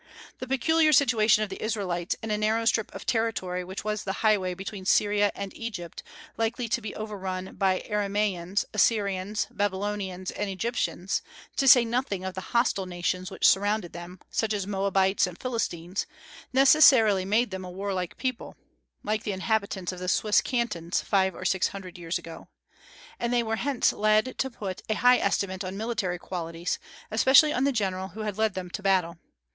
The peculiar situation of the Israelites in a narrow strip of territory which was the highway between Syria and Egypt, likely to be overrun by Aramaeans, Assyrians, Babylonians, and Egyptians, to say nothing of the hostile nations which surrounded them, such as Moabites and Philistines, necessarily made them a warlike people (like the inhabitants of the Swiss Cantons five or six hundred years ago), and they were hence led to put a high estimate on military qualities, especially on the general who led them to battle.